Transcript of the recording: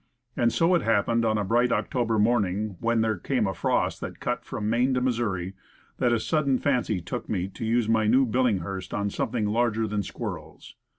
And so it happened, on a bright October morning, when there came a frost that cut from Maine to Missouri, that a sudden fancy took me to use my new Billinghurst on some thing larger than squirrels.